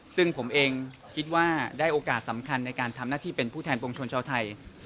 ซึ่งผมเองคิดว่าได้โอกาสสำคัญในการทำหน้าที่เป็นผู้แทนปวงชนชาวไทย